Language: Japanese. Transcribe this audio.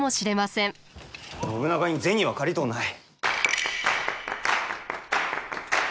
信長に銭は借りとうない。